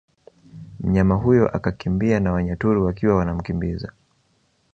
Mnyama huyo akakimbia na Wanyaturu wakiwa wanamkimbiza